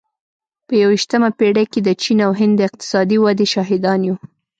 په یوویشتمه پېړۍ کې د چین او هند د اقتصادي ودې شاهدان یو.